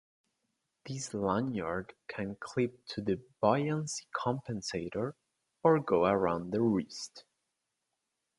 This lanyard can clip to the buoyancy compensator or go around the wrist.